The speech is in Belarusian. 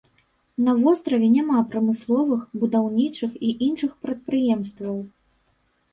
На востраве няма прамысловых, будаўнічых і іншых прадпрыемстваў.